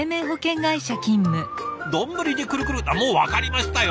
丼にくるくるもう分かりましたよ。